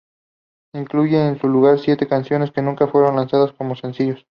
Incluye, en su lugar, siete canciones que nunca fueron lanzadas como sencillos.